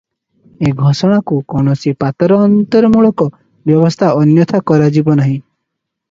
ଏ ଘୋଷଣାକୁ କୌଣସି ପାତରଅନ୍ତରମୂଳକ ବ୍ୟବସ୍ଥା ଅନ୍ୟଥା କରାଯିବ ନାହିଁ ।